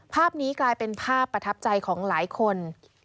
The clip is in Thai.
ภาพนี้กลายเป็นภาพประทับใจของหลายคน